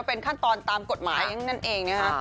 เป็นขั้นตอนตามกฎหมายอย่างนั้นเองนะครับ